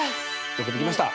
よくできました。